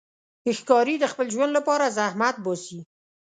ښکاري د خپل ژوند لپاره زحمت باسي.